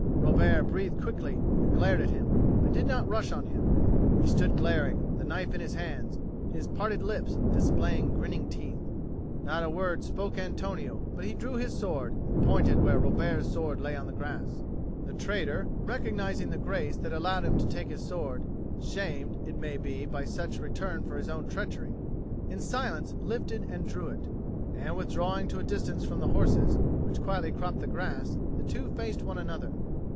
Robert breathed quickly, and glared at him, but did not rush on him. He stood glaring, the knife in his hands, his parted lips displaying grinning teeth. Not a word spoke Antonio, but he drew his sword, and pointed where Robert's sword lay on the grass. The traitor, recognising the grace that allowed him to take his sword, shamed, it may be, by such return for his own treachery, in silence lifted and drew it; and, withdrawing to a distance from the horses, which quietly cropped the grass, the two faced one another.